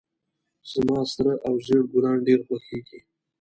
زما سره او زیړ ګلان ډیر خوښیږي